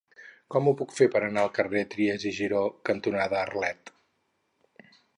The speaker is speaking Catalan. Com ho puc fer per anar al carrer Trias i Giró cantonada Arlet?